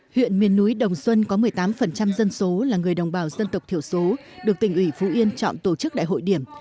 huyện miền núi đồng xuân có một mươi tám dân số là người đồng bào dân tộc thiểu số được tỉnh ủy phú yên chọn tổ chức đại hội điểm